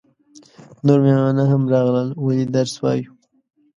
نور مېلمانه هم راغلل ولې درس وایو.